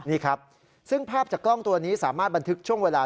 นี่ครับซึ่งภาพจากกล้องตัวนี้สามารถบันทึกช่วงเวลา